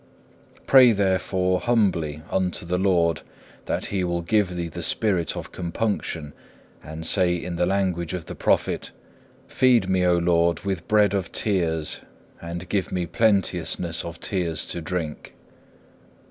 Pray therefore humbly unto the Lord that He will give thee the spirit of compunction and say in the language of the prophet, Feed me, O Lord, with bread of tears, and give me plenteousness of tears to drink.